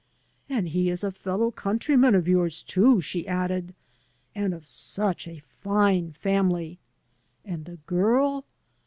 "And he is a fellow countryman of yours, too," she added, "and of such a fine family! And the girl!